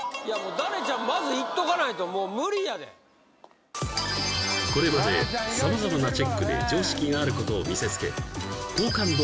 ダレちゃんまずいっとかないともう無理やでこれまでさまざまなチェックで常識があることを見せつけ好感度